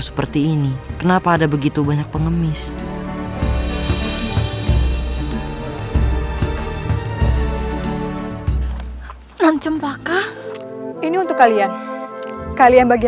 seperti ini kenapa ada begitu banyak pengemis lancempakah ini untuk kalian kalian bagi